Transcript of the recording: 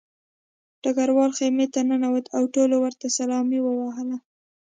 ډګروال خیمې ته ننوت او ټولو ورته سلامي ووهله